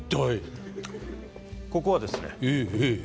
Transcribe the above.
ここはですね